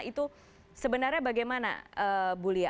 itu sebenarnya bagaimana bu lia